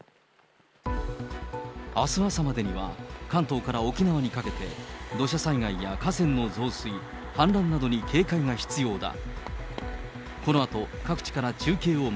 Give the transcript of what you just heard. あす朝までには、関東から沖縄にかけて、土砂災害や河川の増水、氾濫などに警戒が必要だ。